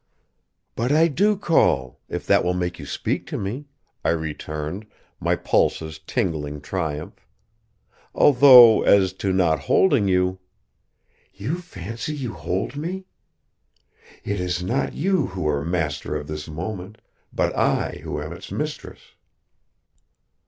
"But I do call if that will make you speak to me," I returned, my pulses tingling triumph. "Although, as to not holding you " "You fancy you hold me? It is not you who are master of this moment, but I who am its mistress."